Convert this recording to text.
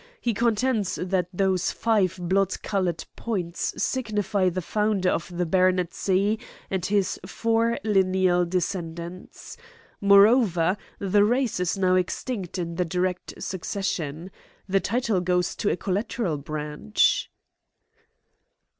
He contends that those five blood coloured points signify the founder of the baronetcy and his four lineal descendants. Moreover, the race is now extinct in the direct succession. The title goes to a collateral branch."